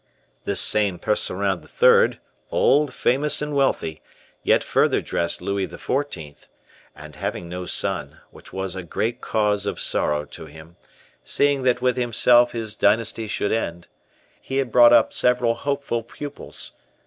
This same Percerin III., old, famous and wealthy, yet further dressed Louis XIV.; and having no son, which was a great cause of sorrow to him, seeing that with himself his dynasty would end, he had brought up several hopeful pupils.